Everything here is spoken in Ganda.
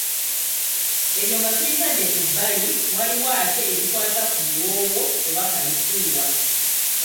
Ebyo nga tubitadde ku bbali, waliwo ate ebikwata ku buwoowo oba kalifuuwa.